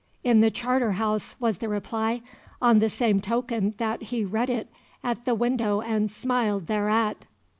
"In the Charter House," was the reply, "on the same token that he read it at the window and smiled thereat."